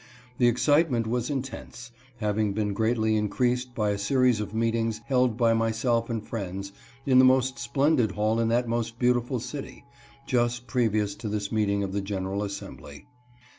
The excitement was intense, having been greatly increased by a series of meetings . held by myself and friends, in the most splendid hall in that most beautiful city, just previous to this meeting of the general assembly.